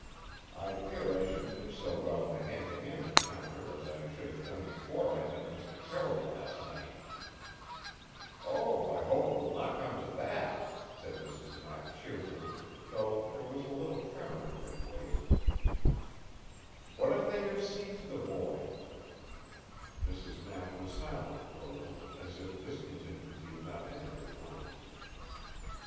I fear I shouldn't do so well in a hand to hand encounter as I should have done before I met Mr. Terrill last night." "Oh, I hope it will not come to that," said Mrs. Knapp cheerfully, though there was a little tremor in her voice. "What if they have seized the boy?" Mrs. Knapp was silent for a little, as if this contingency had not entered her plans.